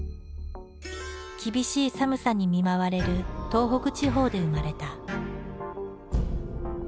厳しい寒さに見舞われる東北地方で生まれた。